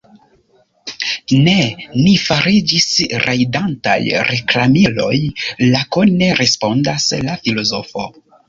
Ne; ni fariĝis rajdantaj reklamiloj, lakone respondas la filozofo.